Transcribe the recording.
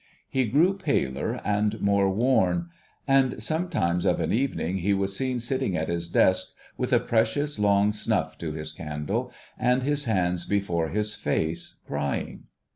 He grew paler and more worn ; and sometimes of an evening he was seen sitting at his desk with a precious long snuff to his candle, and his hands before his face, crying.